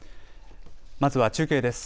まずは中継です。